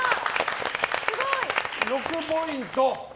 ６ポイント。